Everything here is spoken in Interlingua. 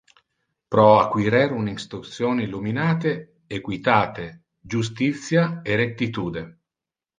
Pro acquirer un instruction illuminate, equitate, justitia e rectitude.